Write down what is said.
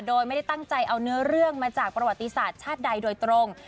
โดยไม่ได้ตั้งใจเอาเนื้อเรื่องมาจากประวัติศาสตร์ชาติใดโดยตรง